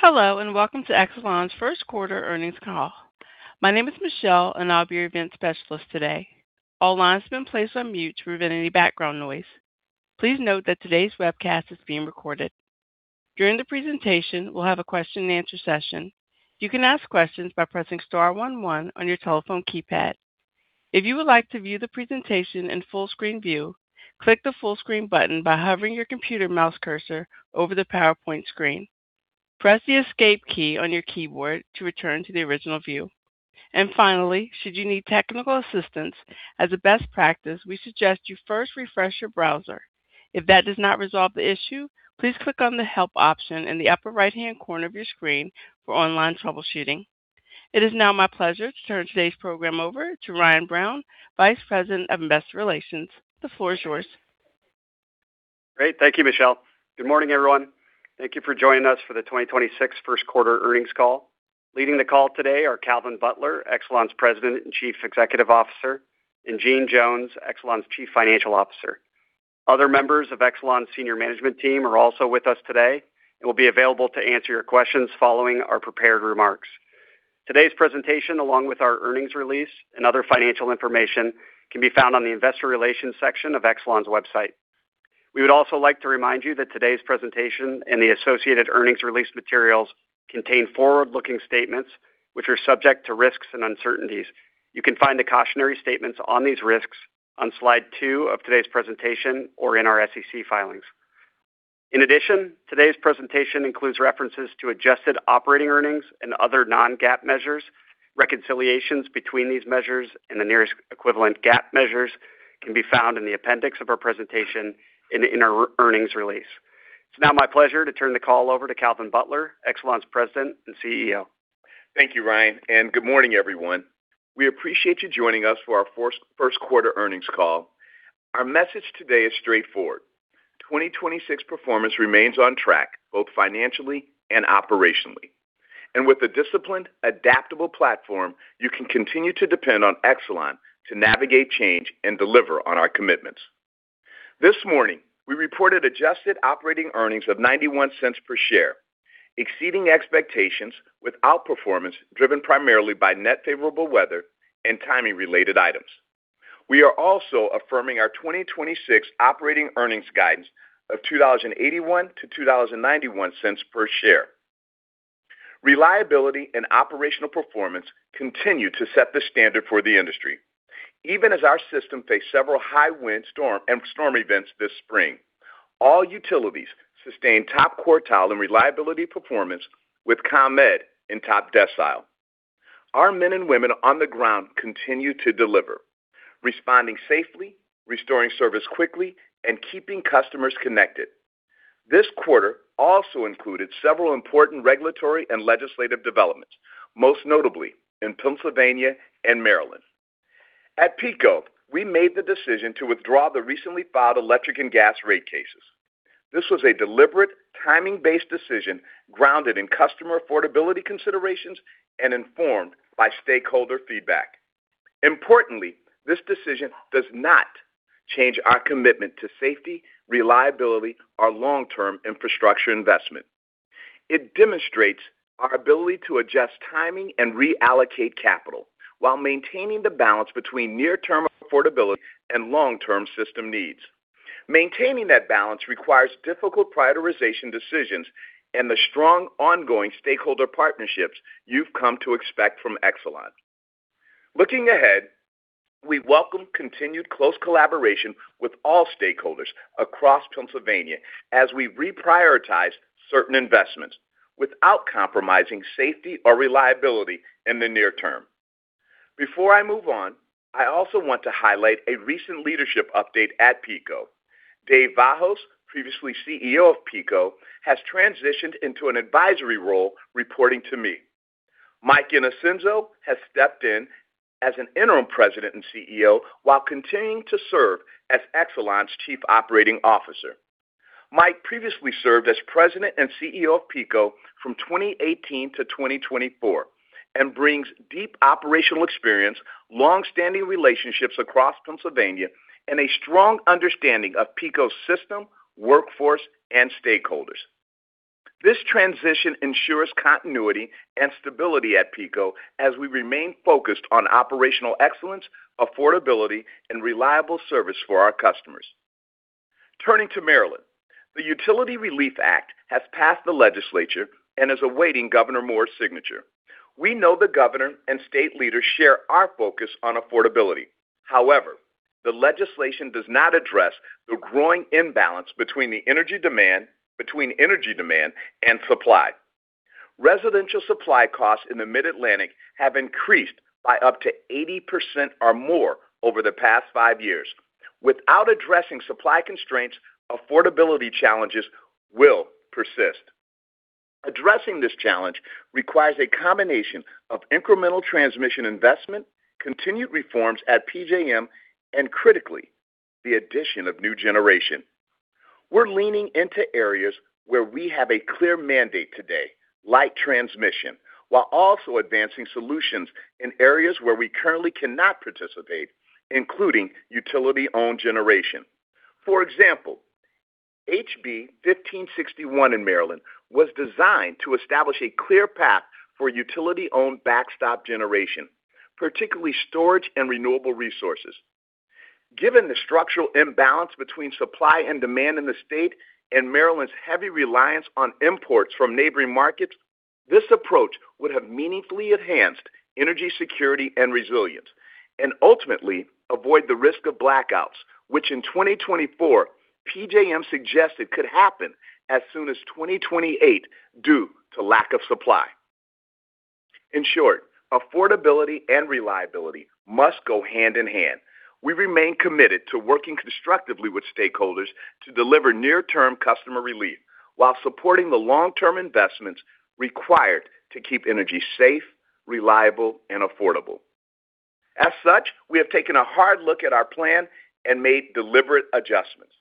Hello, welcome to Exelon's first quarter earnings call. My name is Michelle; I'll be your event specialist today. All lines have been placed on mute to prevent any background noise. Please note that today's webcast is being recorded. During the presentation, we'll have a question-and-answer session. You can ask questions by pressing star one one on your telephone keypad. If you would like to view the presentation in full screen view, click the full screen button by hovering your computer mouse cursor over the PowerPoint screen. Press the escape key on your keyboard to return to the original view. Finally, should you need technical assistance, as a best practice, we suggest you first refresh your browser. If that does not resolve the issue, please click on the help option in the upper right-hand corner of your screen for online troubleshooting. It is now my pleasure to turn today's program over to Ryan Brown, Vice President of Investor Relations. The floor is yours. Great. Thank you, Michelle. Good morning, everyone. Thank you for joining us for the 2026 1st quarter earnings call. Leading the call today are Calvin Butler, Exelon's President and Chief Executive Officer, and Jeanne Jones, Exelon's Chief Financial Officer. Other members of Exelon's senior management team are also with us today and will be available to answer your questions following our prepared remarks. Today's presentation, along with our earnings release and other financial information, can be found on the investor relations section of Exelon's website. We would also like to remind you that today's presentation and the associated earnings release materials contain forward-looking statements which are subject to risks and uncertainties. You can find the cautionary statements on these risks on Slide 2 of today's presentation or in our SEC filings. In addition, today's presentation includes references to Adjusted operating earnings and other non-GAAP measures. Reconciliations between these measures and the nearest equivalent GAAP measures can be found in the appendix of our presentation and in our earnings release. It's now my pleasure to turn the call over to Calvin Butler, Exelon's President and CEO. Thank you, Ryan, good morning, everyone. We appreciate you joining us for our first quarter earnings call. Our message today is straightforward. 2026 performance remains on track both financially and operationally. With a disciplined, adaptable platform, you can continue to depend on Exelon to navigate change and deliver on our commitments. This morning, we reported adjusted operating earnings of $0.91 per share, exceeding expectations with outperformance driven primarily by net favorable weather and timing-related items. We are also affirming our 2026 operating earnings guidance of $2.81-$2.91 per share. Reliability and operational performance continue to set the standard for the industry. Even as our system faced several high wind storm and storm events this spring, all utilities sustained top quartile in reliability performance with ComEd in top decile. Our men and women on the ground continue to deliver, responding safely, restoring service quickly, and keeping customers connected. This quarter also included several important regulatory and legislative developments, most notably in Pennsylvania and Maryland. At PECO, we made the decision to withdraw the recently filed electric and gas rate cases. This was a deliberate, timing-based decision grounded in customer affordability considerations and informed by stakeholder feedback. Importantly, this decision does not change our commitment to safety, reliability, or long-term infrastructure investment. It demonstrates our ability to adjust timing and reallocate capital while maintaining the balance between near-term affordability and long-term system needs. Maintaining that balance requires difficult prioritization decisions and the strong ongoing stakeholder partnerships you've come to expect from Exelon. Looking ahead, we welcome continued close collaboration with all stakeholders across Pennsylvania as we reprioritize certain investments without compromising safety or reliability in the near term. Before I move on, I also want to highlight a recent leadership update at PECO. David Velazquez, previously CEO of PECO, has transitioned into an advisory role reporting to me. Michael Innocenzo has stepped in as an interim President and CEO while continuing to serve as Exelon's Chief Operating Officer. Michael previously served as President and CEO of PECO from 2018 to 2024 and brings deep operational experience, long-standing relationships across Pennsylvania, and a strong understanding of PECO's system, workforce, and stakeholders. This transition ensures continuity and stability at PECO as we remain focused on operational excellence, affordability, and reliable service for our customers. Turning to Maryland, the Utility RELIEF Act has passed the legislature and is awaiting Governor Moore's signature. We know the governor and state leaders share our focus on affordability. However, the legislation does not address the growing imbalance between energy demand and supply. Residential supply costs in the Mid-Atlantic have increased by up to 80% or more over the past five years. Without addressing supply constraints, affordability challenges will persist. Addressing this challenge requires a combination of incremental transmission investment, continued reforms at PJM, and critically, the addition of new generation. We're leaning into areas where we have a clear mandate today, like transmission, while also advancing solutions in areas where we currently cannot participate, including utility-owned generation. For example, HB 1561 in Maryland was designed to establish a clear path for utility-owned backstop generation, particularly storage and renewable resources. Given the structural imbalance between supply and demand in the state and Maryland's heavy reliance on imports from neighboring markets, this approach would have meaningfully enhanced energy security and resilience and ultimately avoid the risk of blackouts, which in 2024 PJM suggested could happen as soon as 2028 due to lack of supply. In short, affordability and reliability must go hand in hand. We remain committed to working constructively with stakeholders to deliver near-term customer relief while supporting the long-term investments required to keep energy safe, reliable, and affordable. As such, we have taken a hard look at our plan and made deliberate adjustments.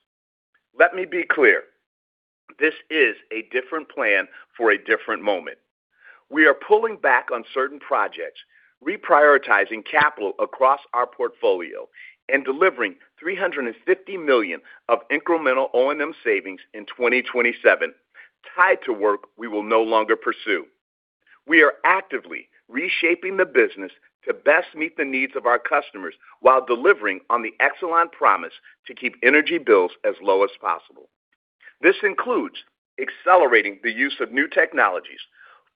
Let me be clear. This is a different plan for a different moment. We are pulling back on certain projects, reprioritizing capital across our portfolio, and delivering $350 million of incremental O&M savings in 2027 tied to work we will no longer pursue. We are actively reshaping the business to best meet the needs of our customers while delivering on the Exelon promise to keep energy bills as low as possible. This includes accelerating the use of new technologies,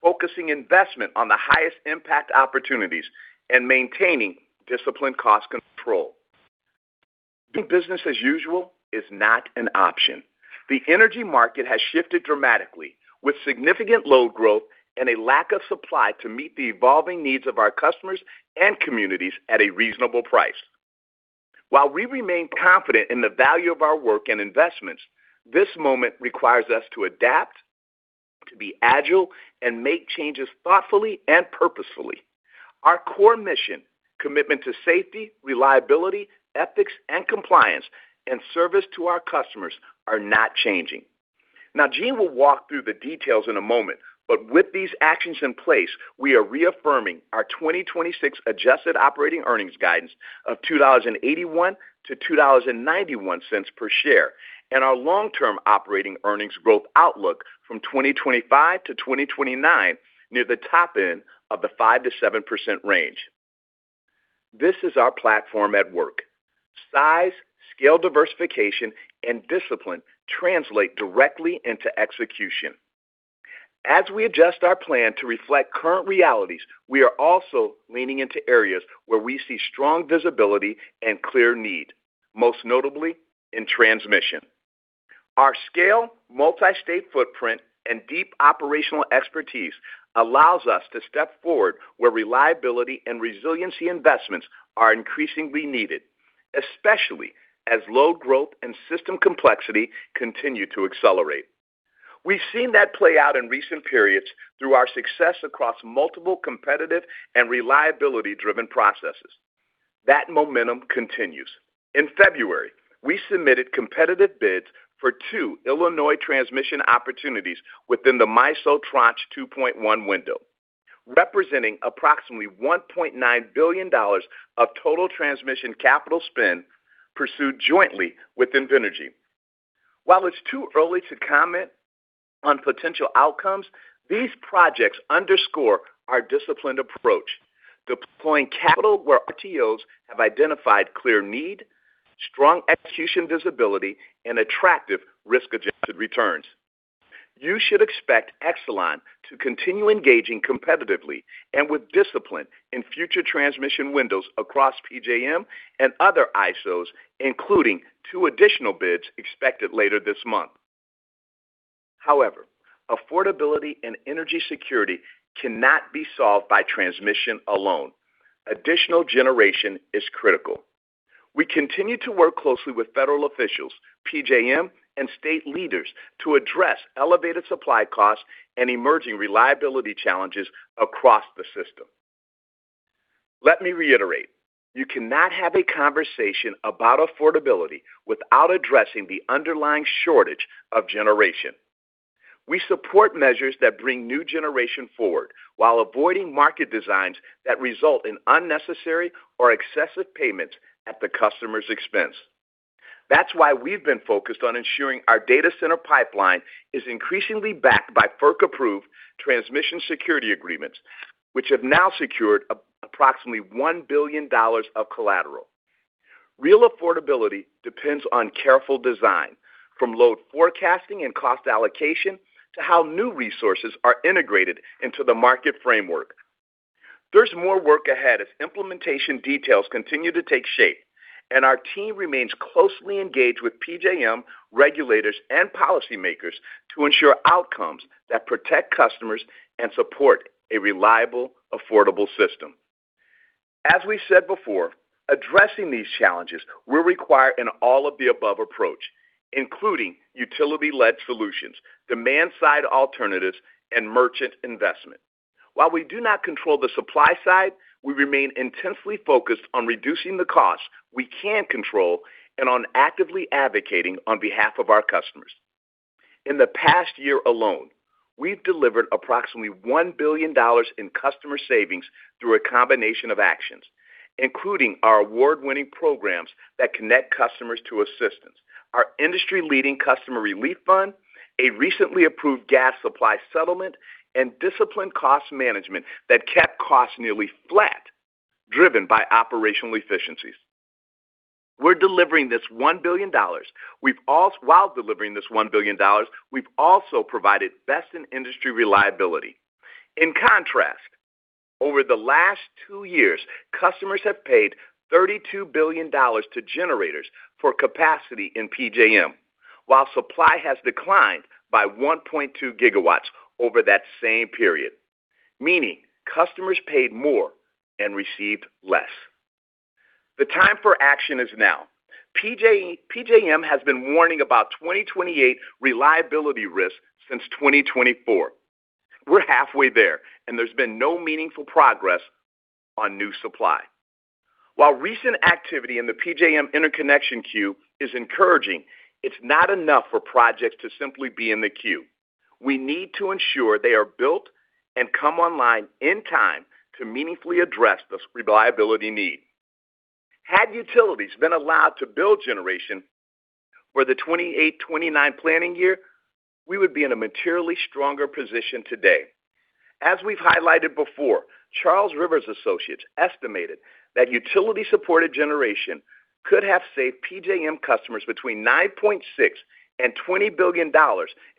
focusing investment on the highest impact opportunities, and maintaining disciplined cost control. Doing business as usual is not an option. The energy market has shifted dramatically, with significant load growth and a lack of supply to meet the evolving needs of our customers and communities at a reasonable price. While we remain confident in the value of our work and investments, this moment requires us to adapt, to be agile, and make changes thoughtfully and purposefully. Our core mission, commitment to safety, reliability, ethics, and compliance, and service to our customers are not changing. Jeanne will walk through the details in a moment, but with these actions in place, we are reaffirming our 2026 Adjusted operating earnings guidance of $2.81-$2.91 per share and our long-term operating earnings growth outlook from 2025-2029 near the top end of the 5%-7% range. This is our platform at work. Size, scale, diversification, and discipline translate directly into execution. As we adjust our plan to reflect current realities, we are also leaning into areas where we see strong visibility and clear need, most notably in transmission. Our scale, multi-state footprint, and deep operational expertise allows us to step forward where reliability and resiliency investments are increasingly needed, especially as load growth and system complexity continue to accelerate. We've seen that play out in recent periods through our success across multiple competitive and reliability-driven processes. That momentum continues. In February, we submitted competitive bids for 2 Illinois transmission opportunities within the MISO Tranche 2.1 window, representing approximately $1.9 billion of total transmission capital spend pursued jointly with Invenergy. While it's too early to comment on potential outcomes, these projects underscore our disciplined approach, deploying capital where RTOs have identified clear need, strong execution visibility, and attractive risk-adjusted returns. You should expect Exelon to continue engaging competitively and with discipline in future transmission windows across PJM and other ISOs, including two additional bids expected later this month. Affordability and energy security cannot be solved by transmission alone. Additional generation is critical. We continue to work closely with federal officials, PJM, and state leaders to address elevated supply costs and emerging reliability challenges across the system. Let me reiterate, you cannot have a conversation about affordability without addressing the underlying shortage of generation. We support measures that bring new generation forward while avoiding market designs that result in unnecessary or excessive payments at the customer's expense. That's why we've been focused on ensuring our data center pipeline is increasingly backed by FERC-approved Transmission Security Agreements, which have now secured approximately $1 billion of collateral. Real affordability depends on careful design, from load forecasting and cost allocation to how new resources are integrated into the market framework. There's more work ahead as implementation details continue to take shape, and our team remains closely engaged with PJM regulators and policymakers to ensure outcomes that protect customers and support a reliable, affordable system. As we said before, addressing these challenges will require an all-of-the-above approach, including utility-led solutions, demand-side alternatives, and merchant investment. While we do not control the supply side, we remain intensely focused on reducing the costs we can control and on actively advocating on behalf of our customers. In the past year alone, we've delivered approximately $1 billion in customer savings through a combination of actions, including our award-winning programs that connect customers to assistance, our industry-leading customer relief fund, a recently approved gas supply settlement, and disciplined cost management that kept costs nearly flat, driven by operational efficiencies. We're delivering this $1 billion. While delivering this $1 billion, we've also provided best-in-industry reliability. In contrast, over the last two years, customers have paid $32 billion to generators for capacity in PJM, while supply has declined by 1.2 GW over that same period, meaning customers paid more and received less. The time for action is now. PJM has been warning about 2028 reliability risks since 2024. We're halfway there. There's been no meaningful progress on new supply. While recent activity in the PJM interconnection queue is encouraging, it's not enough for projects to simply be in the queue. We need to ensure they are built and come online in time to meaningfully address this reliability need. Had utilities been allowed to build generation for the 2028/2029 planning year, we would be in a materially stronger position today. As we've highlighted before, Charles River Associates estimated that utility-supported generation could have saved PJM customers between $9.6 billion and $20 billion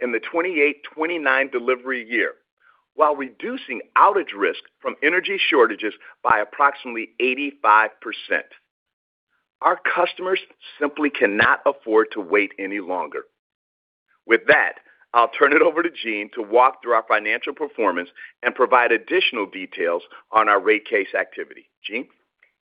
in the 2028/2029 delivery year, while reducing outage risk from energy shortages by approximately 85%. Our customers simply cannot afford to wait any longer. With that, I'll turn it over to Jeanne to walk through our financial performance and provide additional details on our rate case activity. Jeanne.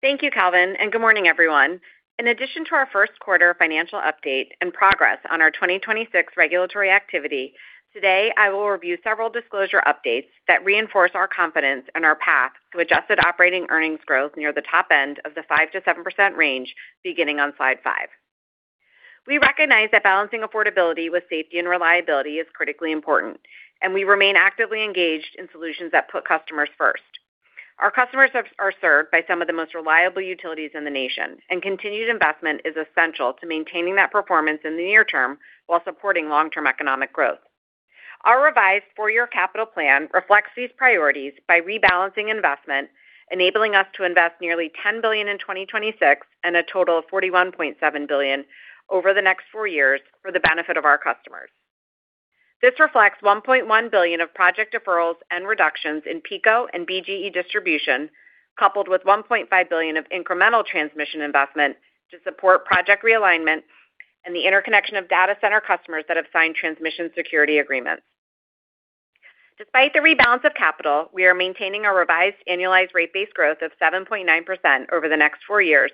Thank you, Calvin, and good morning, everyone. In addition to our first quarter financial update and progress on our 2026 regulatory activity, today, I will review several disclosure updates that reinforce our confidence in our path to Adjusted operating earnings growth near the top end of the 5%-7% range, beginning on Slide 5. We recognize that balancing affordability with safety and reliability is critically important, and we remain actively engaged in solutions that put customers first. Our customers are served by some of the most reliable utilities in the nation, and continued investment is essential to maintaining that performance in the near term while supporting long-term economic growth. Our revised four-year capital plan reflects these priorities by rebalancing investment, enabling us to invest nearly $10 billion in 2026 and a total of $41.7 billion over the next four years for the benefit of our customers. This reflects $1.1 billion of project deferrals and reductions in PECO and BGE distribution, coupled with $1.5 billion of incremental transmission investment to support project realignment and the interconnection of data center customers that have signed Transmission Security Agreements. Despite the rebalance of capital, we are maintaining our revised annualized rate base growth of 7.9% over the next four years,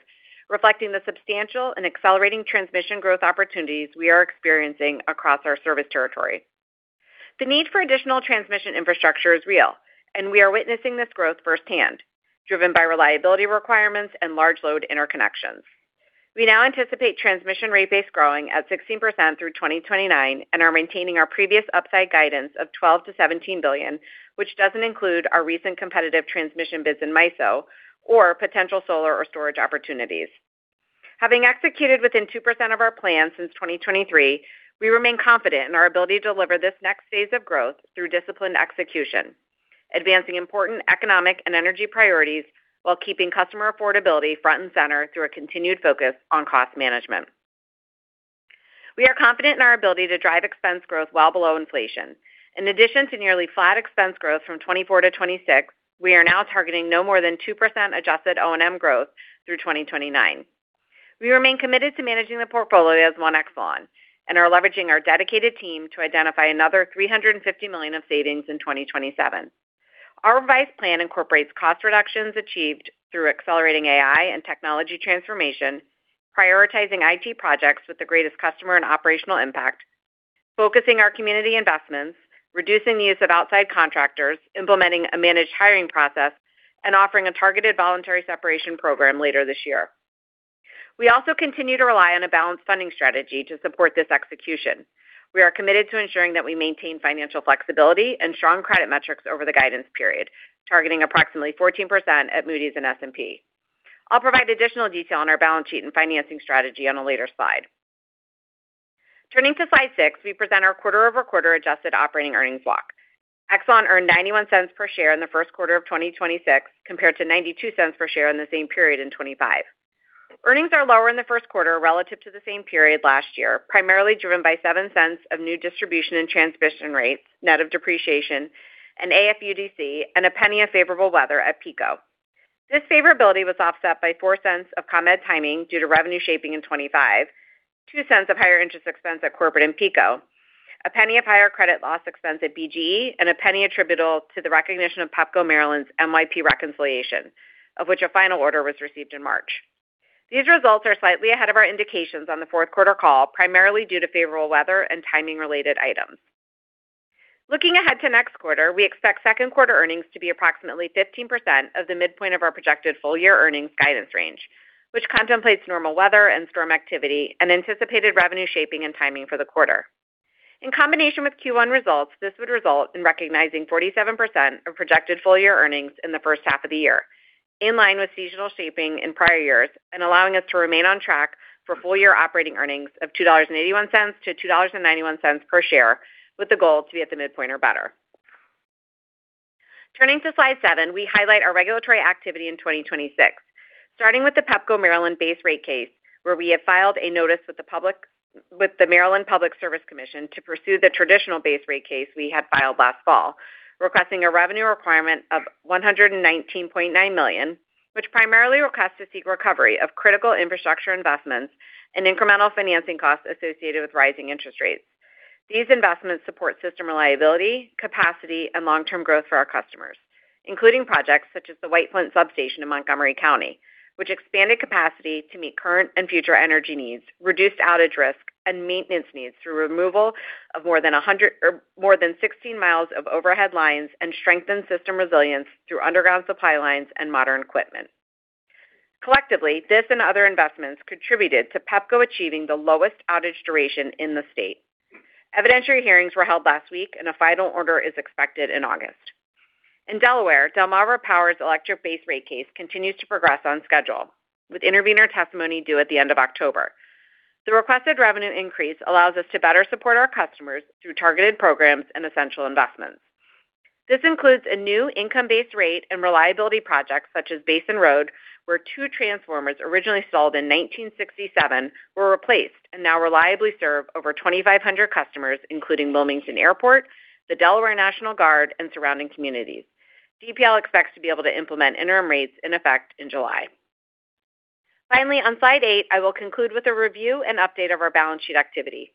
reflecting the substantial and accelerating transmission growth opportunities we are experiencing across our service territory. The need for additional transmission infrastructure is real, and we are witnessing this growth firsthand, driven by reliability requirements and large load interconnections. We now anticipate transmission rate base growing at 16% through 2029 and are maintaining our previous upside guidance of $12 billion-$17 billion, which doesn't include our recent competitive transmission bids in MISO or potential solar or storage opportunities. Having executed within 2% of our plan since 2023, we remain confident in our ability to deliver this next phase of growth through disciplined execution, advancing important economic and energy priorities while keeping customer affordability front and center through a continued focus on cost management. We are confident in our ability to drive expense growth well below inflation. In addition to nearly flat expense growth from 2024-2026, we are now targeting no more than 2% adjusted O&M growth through 2029. We remain committed to managing the portfolio as 1 Exelon and are leveraging our dedicated team to identify another $350 million of savings in 2027. Our revised plan incorporates cost reductions achieved through accelerating AI and technology transformation, prioritizing IT projects with the greatest customer and operational impact, focusing our community investments, reducing the use of outside contractors, implementing a managed hiring process, and offering a targeted voluntary separation program later this year. We also continue to rely on a balanced funding strategy to support this execution. We are committed to ensuring that we maintain financial flexibility and strong credit metrics over the guidance period, targeting approximately 14% at Moody's and S&P. I'll provide additional detail on our balance sheet and financing strategy on a later slide. Turning to Slide 6, we present our quarter-over-quarter adjusted operating earnings walk. Exelon earned $0.91 per share in the first quarter of 2026, compared to $0.92 per share in the same period in 2025. Earnings are lower in the first quarter relative to the same period last year, primarily driven by $0.07 of new distribution and transmission rates, net of depreciation and AFUDC, and $0.01 of favorable weather at PECO. This favorability was offset by $0.04 of ComEd timing due to revenue shaping in 2025, $0.02 of higher interest expense at Corporate and PECO, $0.01 of higher credit loss expense at BGE, and $0.01 attributable to the recognition of Pepco Maryland's MYP reconciliation, of which a final order was received in March. These results are slightly ahead of our indications on the fourth quarter call, primarily due to favorable weather and timing-related items. Looking ahead to next quarter, we expect second quarter earnings to be approximately 15% of the midpoint of our projected full-year earnings guidance range, which contemplates normal weather and storm activity and anticipated revenue shaping and timing for the quarter. In combination with Q1 results, this would result in recognizing 47% of projected full-year earnings in the first half of the year, in line with seasonal shaping in prior years and allowing us to remain on track for full-year operating earnings of $2.81-$2.91 per share, with the goal to be at the midpoint or better. Turning to Slide 7, we highlight our regulatory activity in 2026, starting with the Pepco Maryland base rate case, where we have filed a notice with the Maryland Public Service Commission to pursue the traditional base rate case we had filed last fall, requesting a revenue requirement of $119.9 million, which primarily requests to seek recovery of critical infrastructure investments and incremental financing costs associated with rising interest rates. These investments support system reliability, capacity, and long-term growth for our customers, including projects such as the White Flint Substation in Montgomery County, which expanded capacity to meet current and future energy needs, reduced outage risk and maintenance needs through removal of more than 16 miles of overhead lines and strengthened system resilience through underground supply lines and modern equipment. Collectively, this and other investments contributed to Pepco achieving the lowest outage duration in the state. Evidentiary hearings were held last week and a final order is expected in August. In Delaware, Delmarva Power's electric base rate case continues to progress on schedule, with intervener testimony due at the end of October. The requested revenue increase allows us to better support our customers through targeted programs and essential investments. This includes a new income-based rate and reliability projects such as Basin Road, where two transformers originally installed in 1967 were replaced and now reliably serve over 2,500 customers, including Wilmington Airport, the Delaware National Guard, and surrounding communities. DPL expects to be able to implement interim rates in effect in July. Finally, on Slide 8, I will conclude with a review and update of our balance sheet activity.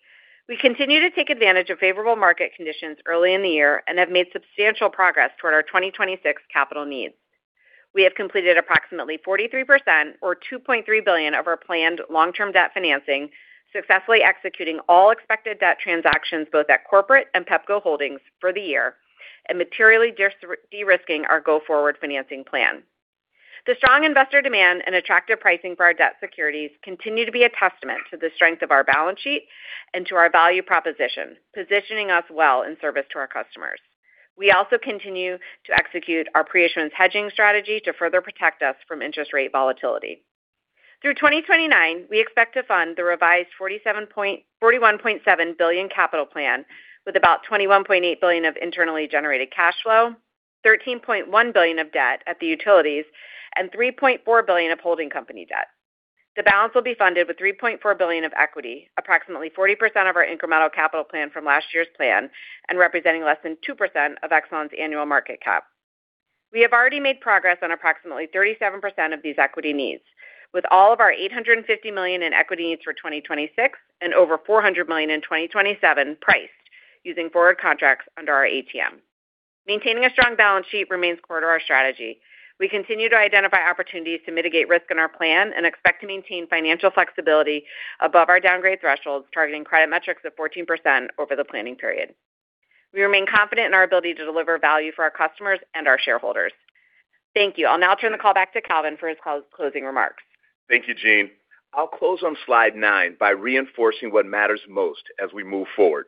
We continue to take advantage of favorable market conditions early in the year and have made substantial progress toward our 2026 capital needs. We have completed approximately 43% or $2.3 billion of our planned long-term debt financing, successfully executing all expected debt transactions both at corporate and Pepco Holdings Inc. for the year and materially de-risking our go-forward financing plan. The strong investor demand and attractive pricing for our debt securities continue to be a testament to the strength of our balance sheet and to our value proposition, positioning us well in service to our customers. We also continue to execute our pre-issuance hedging strategy to further protect us from interest rate volatility. Through 2029, we expect to fund the revised $47.417 billion capital plan with about $21.8 billion of internally generated cash flow, $13.1 billion of debt at the utilities, and $3.4 billion of holding company debt. The balance will be funded with $3.4 billion of equity, approximately 40% of our incremental capital plan from last year's plan and representing less than 2% of Exelon's annual market cap. We have already made progress on approximately 37% of these equity needs, with all of our $850 million in equity needs for 2026 and over $400 million in 2027 priced using forward contracts under our ATM. Maintaining a strong balance sheet remains core to our strategy. We continue to identify opportunities to mitigate risk in our plan and expect to maintain financial flexibility above our downgrade thresholds, targeting credit metrics of 14% over the planning period. We remain confident in our ability to deliver value for our customers and our shareholders. Thank you. I'll now turn the call back to Calvin for his closing remarks. Thank you, Jeanne. I'll close on Slide 9 by reinforcing what matters most as we move forward.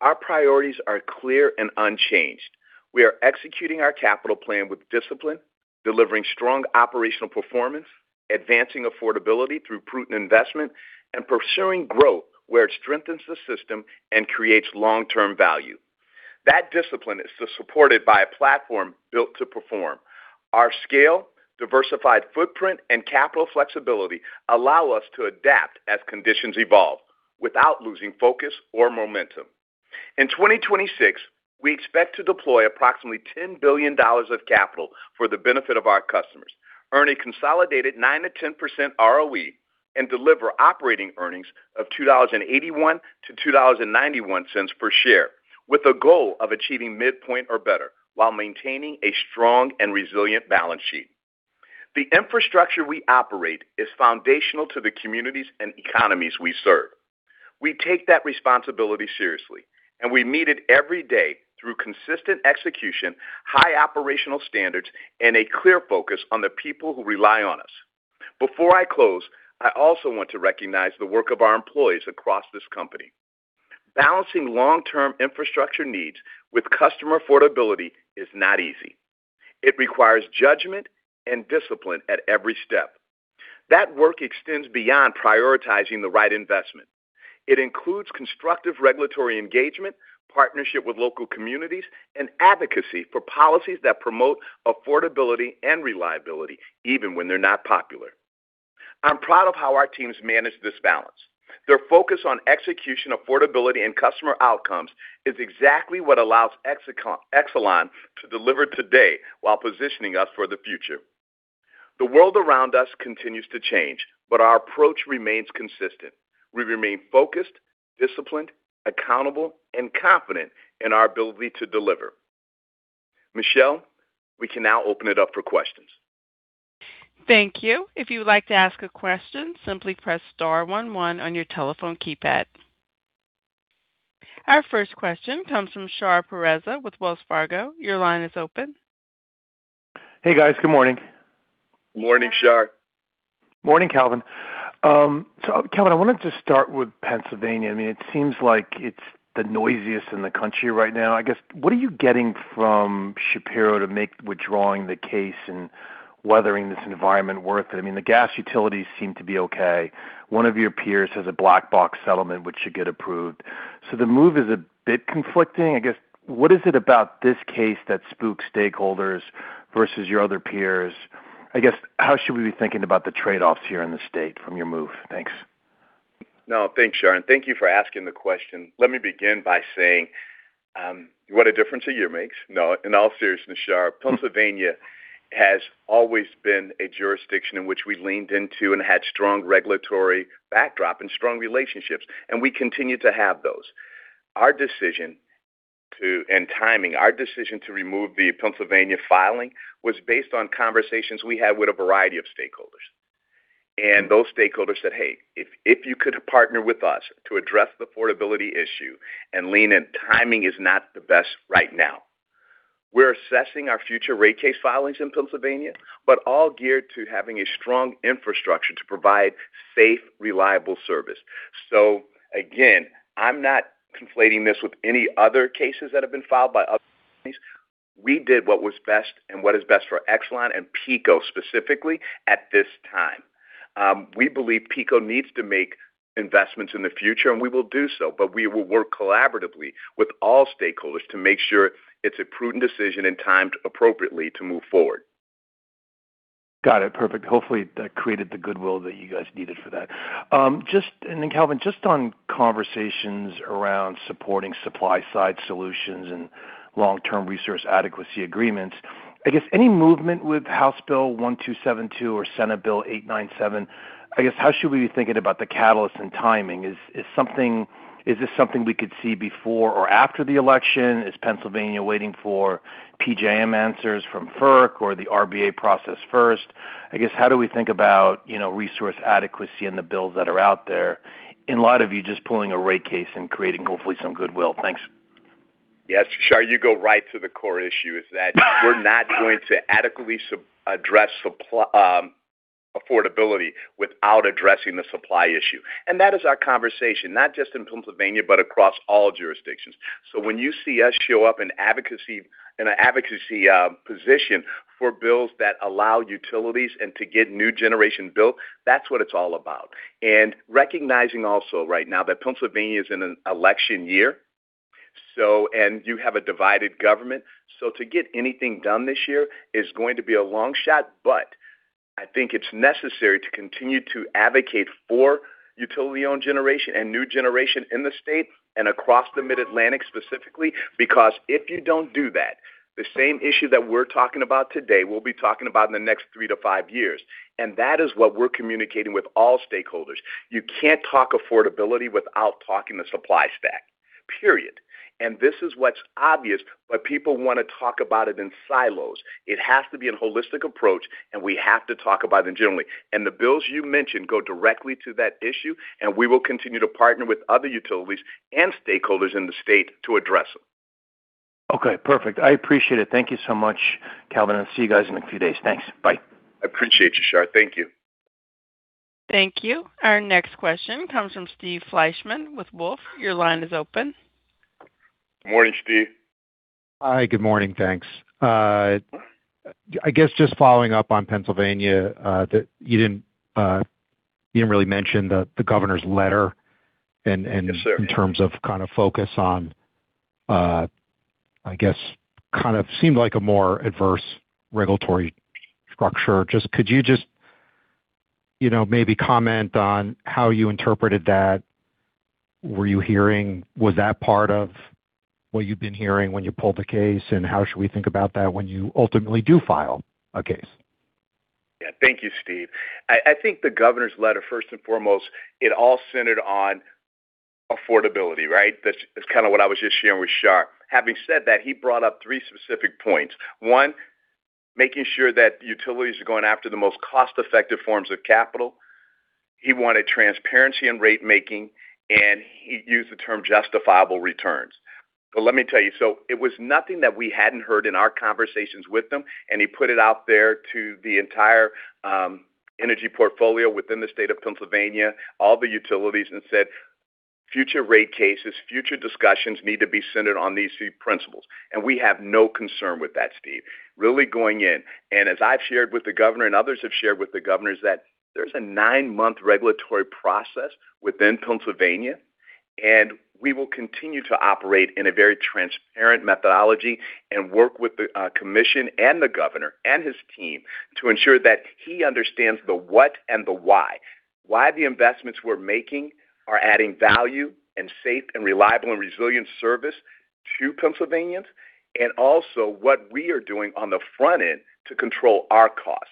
Our priorities are clear and unchanged. We are executing our capital plan with discipline, delivering strong operational performance, advancing affordability through prudent investment, and pursuing growth where it strengthens the system and creates long-term value. That discipline is supported by a platform built to perform. Our scale, diversified footprint, and capital flexibility allow us to adapt as conditions evolve without losing focus or momentum. In 2026, we expect to deploy approximately $10 billion of capital for the benefit of our customers, earn a consolidated 9%-10% ROE, and deliver operating earnings of $2.81-$2.91 per share, with a goal of achieving midpoint or better while maintaining a strong and resilient balance sheet. The infrastructure we operate is foundational to the communities and economies we serve. We take that responsibility seriously, and we meet it every day through consistent execution, high operational standards, and a clear focus on the people who rely on us. Before I close, I also want to recognize the work of our employees across this company. Balancing long-term infrastructure needs with customer affordability is not easy. It requires judgment and discipline at every step. That work extends beyond prioritizing the right investment. It includes constructive regulatory engagement, partnership with local communities, and advocacy for policies that promote affordability and reliability even when they're not popular. I'm proud of how our teams manage this balance. Their focus on execution, affordability, and customer outcomes is exactly what allows Exelon to deliver today while positioning us for the future. The world around us continues to change, but our approach remains consistent. We remain focused, disciplined, accountable, and confident in our ability to deliver. Michelle, we can now open it up for questions. Thank you. If you would like to ask a question, simply press star one one on your telephone keypad. Our first question comes from Shar Pourreza with Wells Fargo. Your line is open. Hey, guys. Good morning. Morning, Shar. Morning, Calvin. Calvin, I wanted to start with Pennsylvania. I mean, it seems like it's the noisiest in the country right now. I guess, what are you getting from Shapiro to make withdrawing the case and weathering this environment worth it? I mean, the gas utilities seem to be okay. One of your peers has a black box settlement which should get approved. The move is a bit conflicting. I guess, what is it about this case that spooks stakeholders versus your other peers? I guess, how should we be thinking about the trade-offs here in the state from your move? Thanks. Thanks, Shar, and thank you for asking the question. In all seriousness, Shar, Pennsylvania has always been a jurisdiction in which we leaned into and had strong regulatory backdrop and strong relationships, and we continue to have those. Our decision to remove the Pennsylvania filing was based on conversations we had with a variety of stakeholders. Those stakeholders said, "Hey, if you could partner with us to address the affordability issue and lean in, timing is not the best right now." We're assessing our future rate case filings in Pennsylvania, but all geared to having a strong infrastructure to provide safe, reliable service. Again, I'm not conflating this with any other cases that have been filed by other companies. We did what was best and what is best for Exelon and PECO, specifically at this time. We believe PECO needs to make investments in the future, and we will do so, but we will work collaboratively with all stakeholders to make sure it's a prudent decision and timed appropriately to move forward. Got it. Perfect. Hopefully, that created the goodwill that you guys needed for that. Then Calvin, just on conversations around supporting supply side solutions and long-term resource adequacy agreements, I guess any movement with House Bill 1272 or Senate Bill 897, I guess, how should we be thinking about the catalyst and timing? Is this something we could see before or after the election? Is Pennsylvania waiting for PJM answers from FERC or the RBA process first? I guess, how do we think about, you know, resource adequacy in the bills that are out there in light of you just pulling a rate case and creating, hopefully, some goodwill? Thanks. Yes, Shar, you go right to the core issue, we're not going to adequately address supply affordability without addressing the supply issue. That is our conversation, not just in Pennsylvania, but across all jurisdictions. When you see us show up in an advocacy position for bills that allow utilities and to get new generation built, that's what it's all about. Recognizing also right now that Pennsylvania is in an election year, you have a divided government. To get anything done this year is going to be a long shot, but I think it's necessary to continue to advocate for utility-owned generation and new generation in the state and across the Mid-Atlantic specifically. If you don't do that, the same issue that we're talking about today, we'll be talking about in the next three to five years. That is what we're communicating with all stakeholders. You can't talk affordability without talking the supply stack, period. This is what's obvious, but people wanna talk about it in silos. It has to be a holistic approach, and we have to talk about them generally. The bills you mentioned go directly to that issue, and we will continue to partner with other utilities and stakeholders in the state to address them. Okay, perfect. I appreciate it. Thank you so much, Calvin. I'll see you guys in a few days. Thanks. Bye. I appreciate you, Shar. Thank you. Thank you. Our next question comes from Steve Fleishman with Wolfe. Your line is open. Morning, Steve. Hi, good morning. Thanks. I guess just following up on Pennsylvania, that you didn't really mention the governor's letter. Yes, sir. in terms of kind of focus on, I guess kind of seemed like a more adverse regulatory structure. Could you just, you know, maybe comment on how you interpreted that? Was that part of what you've been hearing when you pulled the case, and how should we think about that when you ultimately do file a case? Thank you, Steve. I think the Governor's letter, first and foremost, it all centered on affordability, right? That's, that's kind of what I was just sharing with Shar. Having said that, he brought up three specific points. One, making sure that utilities are going after the most cost-effective forms of capital. He wanted transparency in rate making, and he used the term justifiable returns. Let me tell you, it was nothing that we hadn't heard in our conversations with him, and he put it out there to the entire energy portfolio within the State of Pennsylvania, all the utilities, and said, "Future rate cases, future discussions need to be centered on these three principles." We have no concern with that, Steve. Really going in, and as I've shared with the Governor and others have shared with the Governor, is that there's a nine-month regulatory process within Pennsylvania, and we will continue to operate in a very transparent methodology and work with the Commission and the Governor and his team to ensure that he understands the what and the why. Why the investments we're making are adding value and safe and reliable and resilient service to Pennsylvanians, and also what we are doing on the front end to control our costs.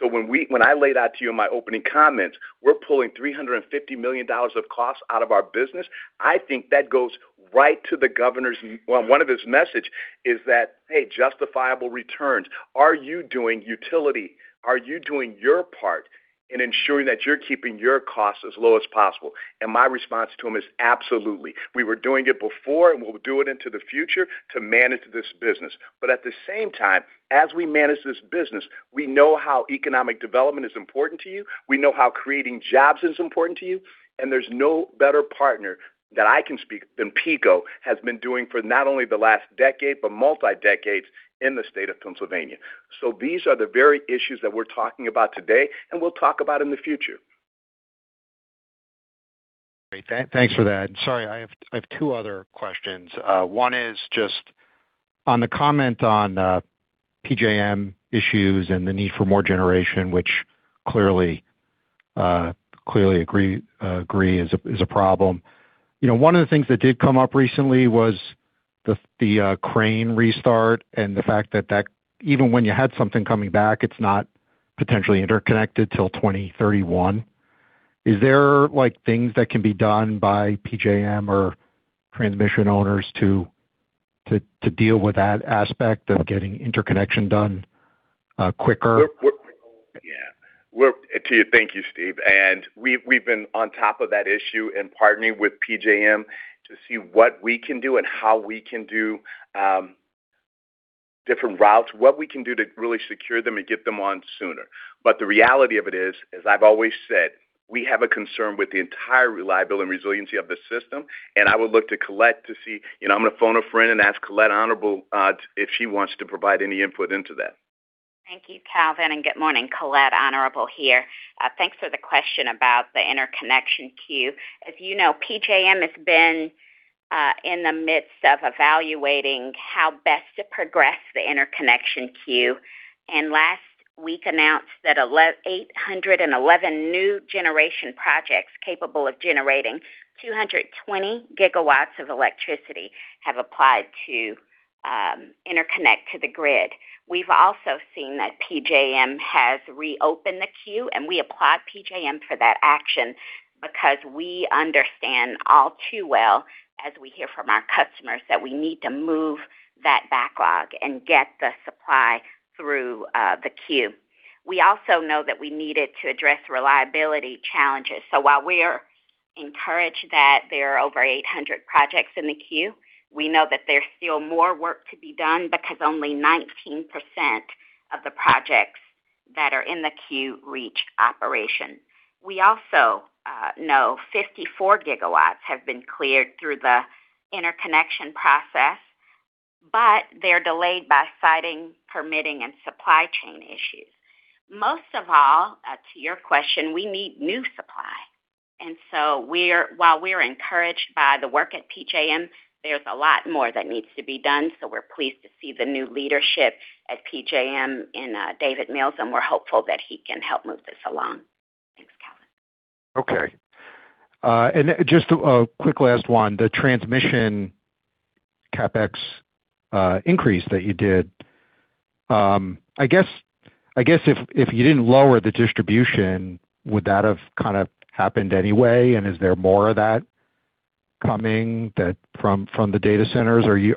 When we, when I laid out to you in my opening comments, we're pulling $350 million of costs out of our business, I think that goes right to the Governor's well, one of his message is that, hey, justifiable returns. Are you doing utility? Are you doing your part in ensuring that you're keeping your costs as low as possible? My response to him is absolutely. We were doing it before, and we'll do it into the future to manage this business. At the same time, as we manage this business, we know how economic development is important to you, we know how creating jobs is important to you, and there's no better partner that I can speak than PECO has been doing for not only the last decade, but multi decades in the state of Pennsylvania. These are the very issues that we're talking about today, and we'll talk about in the future. Great. Thanks for that. Sorry, I have two other questions. One is just on the comment on PJM issues and the need for more generation, which clearly agree is a problem. You know, one of the things that did come up recently was the Crane restart and the fact that even when you had something coming back, it's not potentially interconnected till 2031. Is there, like, things that can be done by PJM or transmission owners to deal with that aspect of getting interconnection done quicker? Yeah. To you. Thank you, Steve. We've been on top of that issue, and partnering with PJM to see what we can do and how we can do different routes, what we can do to really secure them and get them on sooner. The reality of it is, as I've always said, we have a concern with the entire reliability and resiliency of the system, and I would look to Colette to see. You know, I'm gonna phone a friend and ask Colette Honorable if she wants to provide any input into that. Thank you, Calvin. Good morning. Colette Honorable here. Thanks for the question about the interconnection queue. As you know, PJM has been in the midst of evaluating how best to progress the interconnection queue, and last week announced that 811 new generation projects capable of generating 220 GW of electricity have applied to interconnect to the grid. We've also seen that PJM has reopened the queue, and we applaud PJM for that action because we understand all too well, as we hear from our customers, that we need to move that backlog and get the supply through the queue. We also know that we needed to address reliability challenges. While we are encouraged that there are over 800 projects in the queue, we know that there's still more work to be done because only 19% of the projects that are in the queue reach operation. We also know 54 GW have been cleared through the interconnection process, but they're delayed by siting, permitting, and supply chain issues. Most of all, to your question, we need new supply. While we're encouraged by the work at PJM, there's a lot more that needs to be done, so we're pleased to see the new leadership at PJM in David Mills, and we're hopeful that he can help move this along. Thanks, Calvin. Okay. Then just a quick last one. The transmission CapEx increase that you did. I guess if you didn't lower the distribution, would that have kinda happened anyway? Is there more of that coming from the data centers? Are you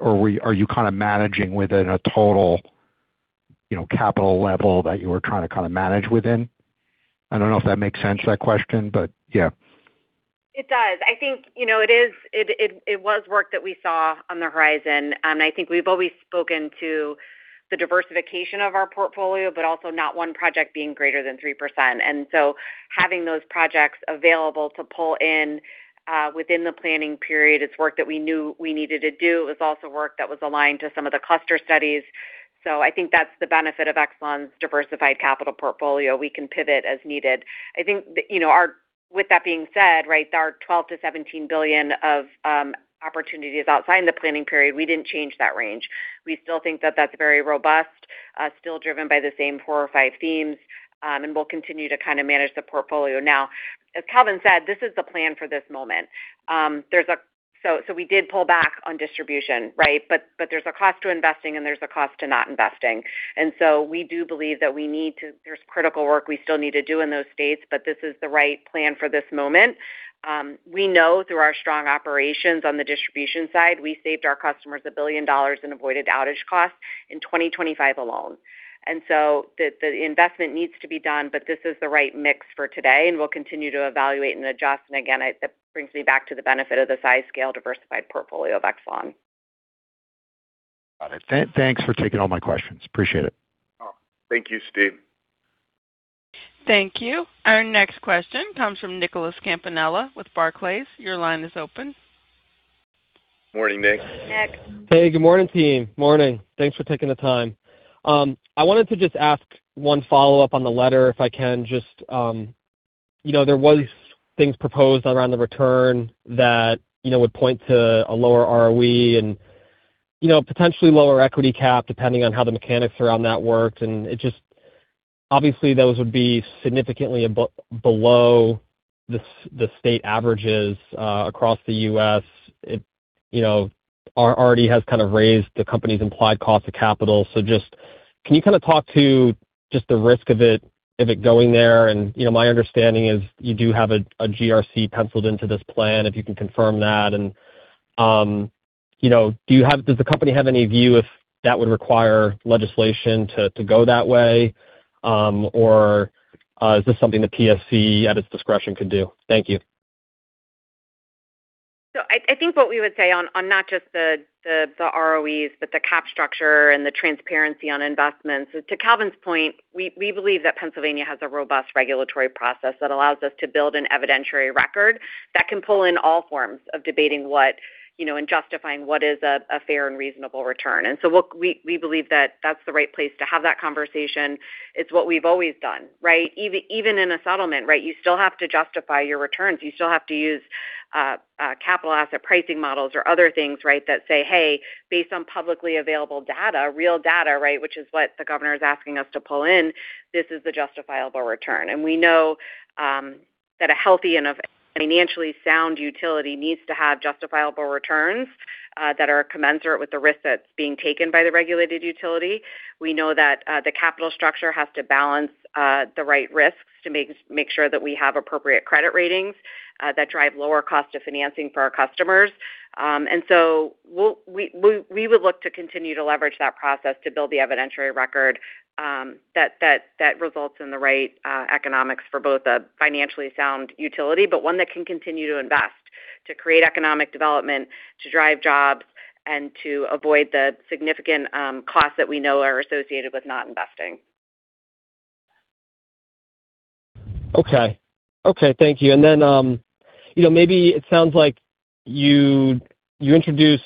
kinda managing within a total, you know, capital level that you were trying to kinda manage within? I don't know if that makes sense, that question, but yeah. It does. I think, you know, it was work that we saw on the horizon. I think we've always spoken to the diversification of our portfolio, but also not one project being greater than 3%. Having those projects available to pull in within the planning period, it's work that we knew we needed to do. It was also work that was aligned to some of the cluster studies. I think that's the benefit of Exelon's diversified capital portfolio. We can pivot as needed. I think, you know, with that being said, right? Our $12 billion-$17 billion of opportunities outside the planning period, we didn't change that range. We still think that that's very robust, still driven by the same four or five themes, and we'll continue to kinda manage the portfolio. As Calvin said, this is the plan for this moment. We did pull back on distribution, right? There's a cost to investing, and there's a cost to not investing. We do believe that there's critical work we still need to do in those states, but this is the right plan for this moment. We know through our strong operations on the distribution side, we saved our customers $1 billion in avoided outage costs in 2025 alone. The investment needs to be done, but this is the right mix for today, and we'll continue to evaluate and adjust. Again, that brings me back to the benefit of the size, scale diversified portfolio of Exelon. Got it. Thanks for taking all my questions. Appreciate it. Oh. Thank you, Steve. Thank you. Our next question comes from Nicholas Campanella with Barclays. Your line is open. Morning, Nick. Nick. Hey, good morning, team. Morning. Thanks for taking the time. I wanted to just ask one follow-up on the letter, if I can just. You know, there was things proposed around the return that, you know, would point to a lower ROE and, you know, potentially lower equity cap, depending on how the mechanics around that worked. Obviously, those would be significantly below the state averages across the U.S., it, you know, already has kind of raised the company's implied cost of capital. Can you kind of talk to just the risk of it going there? And, you know, my understanding is you do have a GRC penciled into this plan, if you can confirm that. You know, does the company have any view if that would require legislation to go that way? Or is this something the PSC at its discretion could do? Thank you. I think what we would say on not just the ROEs, but the cap structure and the transparency on investments. To Calvin's point, we believe that Pennsylvania has a robust regulatory process that allows us to build an evidentiary record that can pull in all forms of debating what, you know, and justifying what is a fair and reasonable return. We believe that that's the right place to have that conversation. It's what we've always done, right. Even in a settlement, right, you still have to justify your returns. You still have to use Capital Asset Pricing Models or other things, right, that say, "Hey, based on publicly available data, real data," right, which is what the Governor is asking us to pull in, this is a justifiable return. We know that a healthy and a financially sound utility needs to have justifiable returns that are commensurate with the risk that's being taken by the regulated utility. We know that the capital structure has to balance the right risks to make sure that we have appropriate credit ratings that drive lower cost of financing for our customers. We would look to continue to leverage that process to build the evidentiary record that results in the right economics for both a financially sound utility, but one that can continue to invest, to create economic development, to drive jobs, and to avoid the significant costs that we know are associated with not investing. Okay, thank you. You know, maybe it sounds like you introduced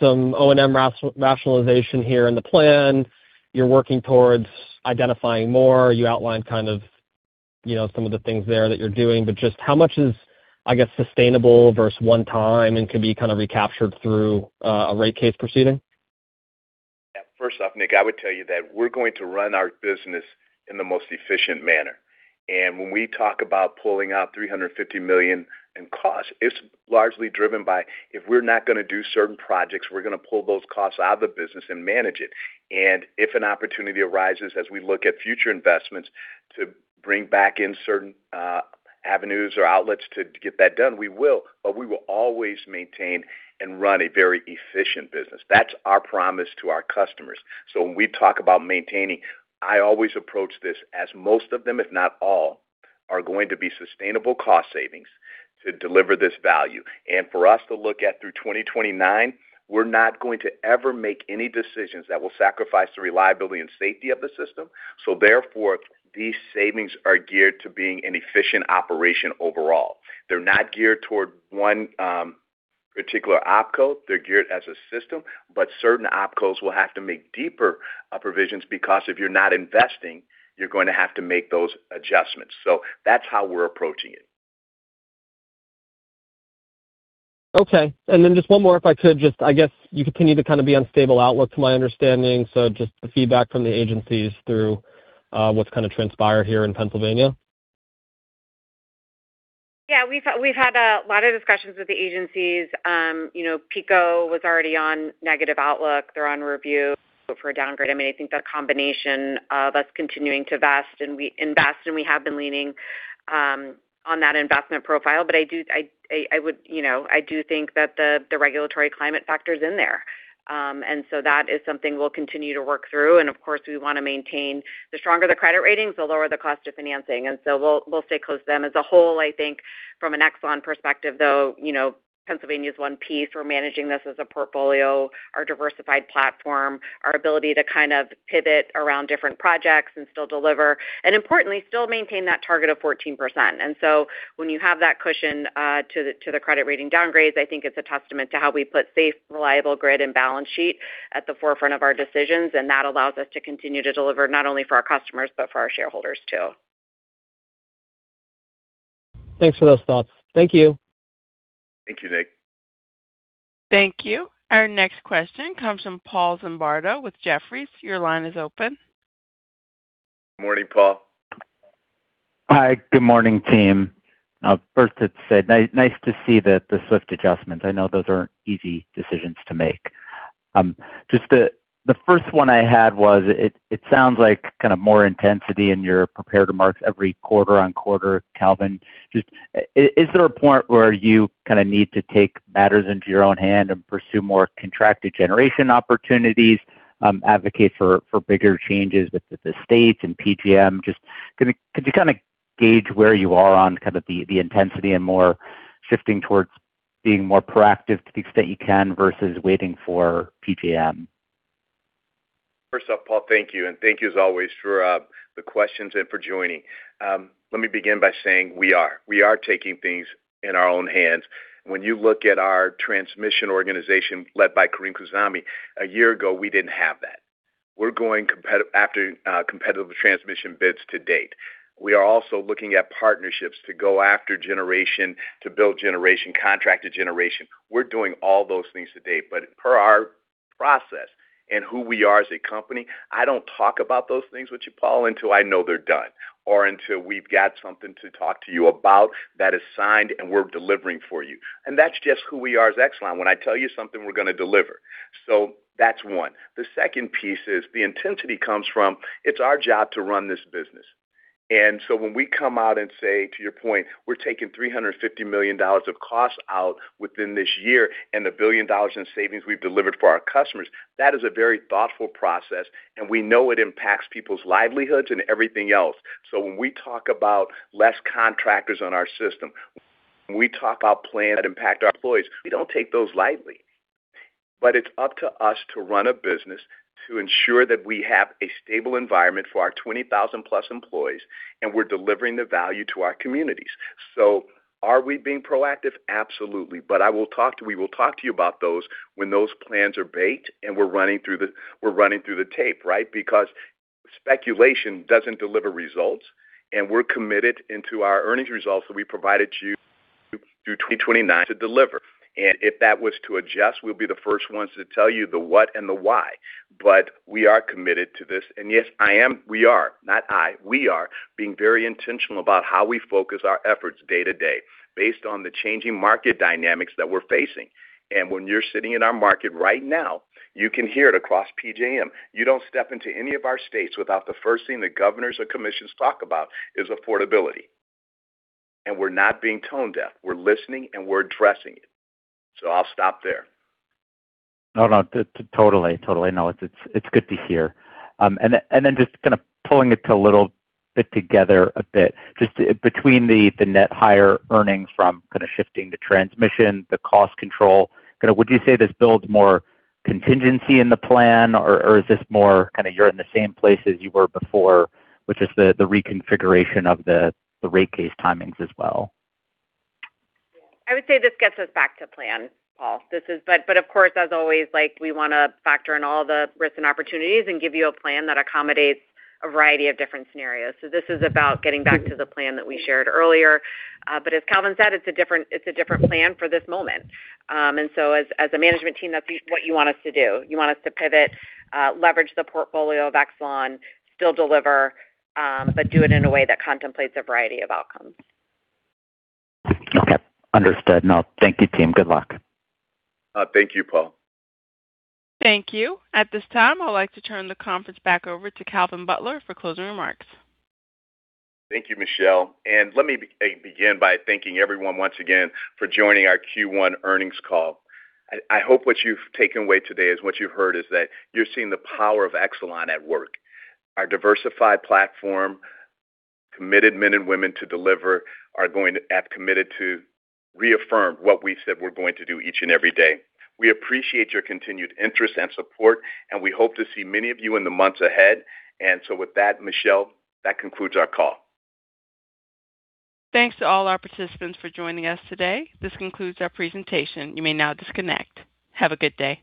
some O&M rationalization here in the plan. You're working towards identifying more. You outlined kind of, you know, some of the things there that you're doing, but just how much is, I guess, sustainable versus one time and could be kind of recaptured through a rate case proceeding? First off, Nick, I would tell you that we're going to run our business in the most efficient manner. When we talk about pulling out $350 million in cost, it's largely driven by if we're not gonna do certain projects, we're gonna pull those costs out of the business and manage it. If an opportunity arises as we look at future investments to bring back in certain avenues or outlets to get that done, we will. We will always maintain and run a very efficient business. That's our promise to our customers. When we talk about maintaining, I always approach this as most of them, if not all, are going to be sustainable cost savings to deliver this value. For us to look at through 2029, we're not going to ever make any decisions that will sacrifice the reliability and safety of the system. Therefore, these savings are geared to being an efficient operation overall. They're not geared toward one particular opco. They're geared as a system, but certain opcos will have to make deeper provisions because if you're not investing, you're going to have to make those adjustments. That's how we're approaching it. Okay. Just one more, if I could, you continue to be on stable outlook to my understanding. Just the feedback from the agencies through what's transpired here in Pennsylvania? Yeah, we've had a lot of discussions with the agencies. You know, PECO was already on negative outlook. They're on review for a downgrade. I mean, I think the combination of us continuing to invest, and we have been leaning on that investment profile. I would, you know, I do think that the regulatory climate factor is in there. That is something we'll continue to work through. Of course, we want to maintain the stronger the credit ratings, the lower the cost of financing. We'll stay close to them. As a whole, I think from an Exelon perspective, though, you know, Pennsylvania is one piece. We're managing this as a portfolio, our diversified platform, our ability to kind of pivot around different projects and still deliver. Importantly, still maintain that target of 14%. When you have that cushion to the credit rating downgrades, I think it's a testament to how we put safe, reliable grid and balance sheet at the forefront of our decisions, and that allows us to continue to deliver not only for our customers, but for our shareholders too. Thanks for those thoughts. Thank you. Thank you, Nick. Thank you. Our next question comes from Paul Zimbardo with Jefferies. Your line is open. Morning, Paul. Hi, good morning, team. First, I'd say nice to see the swift adjustments. I know those aren't easy decisions to make. Just the first one I had was it sounds like kind of more intensity, and you're prepared to mark every quarter-over-quarter, Calvin. Just, is there a point where you kind of need to take matters into your own hand and pursue more contracted generation opportunities, advocate for bigger changes with the states and PJM? Just could you kind of gauge where you are on kind of the intensity and more shifting towards being more proactive to the extent you can versus waiting for PJM? First off, Paul, thank you, and thank you as always for the questions and for joining. Let me begin by saying we are taking things in our own hands. When you look at our transmission organization led by Carim Khouzami, a year ago, we didn't have that. We're going after competitive transmission bids to date. We are also looking at partnerships to go after generation, to build generation, contracted generation. We're doing all those things to date. Per our process and who we are as a company, I don't talk about those things with you, Paul, until I know they're done or until we've got something to talk to you about that is signed and we're delivering for you. That's just who we are as Exelon. When I tell you something, we're going to deliver. That's one. The second piece is the intensity comes from it's our job to run this business. When we come out and say, to your point, we're taking $350 million of costs out within this year and the $1 billion in savings we've delivered for our customers, that is a very thoughtful process, and we know it impacts people's livelihoods and everything else. When we talk about less contractors on our system, when we talk about plans that impact our employees, we don't take those lightly. It's up to us to run a business to ensure that we have a stable environment for our 20,000-plus employees, and we're delivering the value to our communities. Are we being proactive? Absolutely. We will talk to you about those when those plans are baked and we're running through the tape, right? Because speculation doesn't deliver results, and we're committed into our earnings results that we provided to you through 2029 to deliver. If that was to adjust, we'll be the first ones to tell you the what and the why. We are committed to this. Yes, I am. We are, not I. We are being very intentional about how we focus our efforts day to day based on the changing market dynamics that we're facing. When you're sitting in our market right now, you can hear it across PJM. You don't step into any of our states without the first thing the governors or commissions talk about is affordability. We're not being tone deaf. We're listening, and we're addressing it. I'll stop there. No, no, totally. Totally. No, it's good to hear. Just kind of pulling it a little bit together a bit, just between the net higher earnings from kind of shifting the transmission, the cost control, kind of would you say this builds more contingency in the plan, or is this more kind of you're in the same place as you were before, which is the reconfiguration of the rate case timings as well? I would say this gets us back to plan, Paul. Of course, as always, like, we want to factor in all the risks and opportunities and give you a plan that accommodates a variety of different scenarios. This is about getting back to the plan that we shared earlier. As Calvin said, it's a different plan for this moment. As a management team, that's what you want us to do. You want us to pivot, leverage the portfolio of Exelon, still deliver, but do it in a way that contemplates a variety of outcomes. Okay. Understood. I'll thank you, team. Good luck. Thank you, Paul. Thank you. At this time, I'd like to turn the conference back over to Calvin Butler for closing remarks. Thank you, Michelle. Let me begin by thanking everyone once again for joining our Q1 earnings call. I hope what you've taken away today is what you've heard is that you're seeing the power of Exelon at work. Our diversified platform, committed men and women to deliver have committed to reaffirm what we said we're going to do each and every day. We appreciate your continued interest and support, and we hope to see many of you in the months ahead. With that, Michelle, that concludes our call. Thanks to all our participants for joining us today. This concludes our presentation. You may now disconnect. Have a good day.